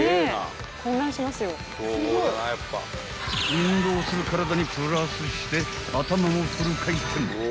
［運動する体にプラスして頭もフル回転］